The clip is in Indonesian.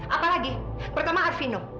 apalagi pertama arvino